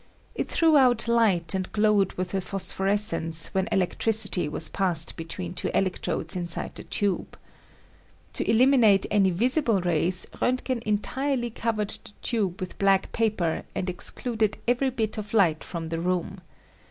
It threw out light and glowed with a phosphorescence when electricity was passed between two elec trodes inside the tube. To eliminate any visible rays Roentgen entirely covered the tube with black paper and excluded every bit of light from the room.